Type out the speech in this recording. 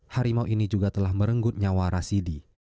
harimau ini juga telah merenggut nyawa rasidi